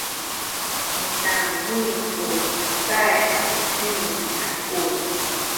midanguy ku cacay a buting i taku.